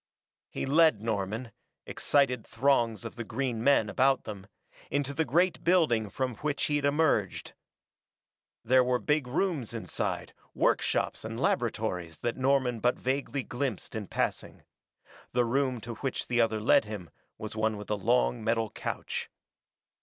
He led Norman, excited throngs of the green men about them, into the great building from which he had emerged. There were big rooms inside, workshops and laboratories that Norman but vaguely glimpsed in passing. The room to which the other led him was one with a long metal couch.